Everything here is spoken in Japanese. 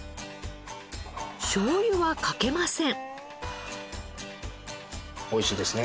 しょうゆはかけません。